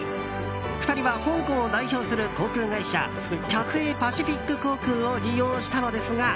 ２人は香港を代表する航空会社キャセイパシフィック航空を利用したのですが。